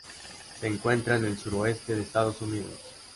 Se encuentra en el Sureste de Estados Unidos.